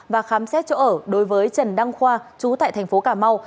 và khám xét chỗ ở đối với trần đăng khoa chú tại thành phố cà mau